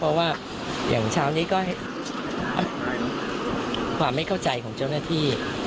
เพราะว่าอย่างเช้านี้ก็ความไม่เข้าใจของเจ้าหน้าที่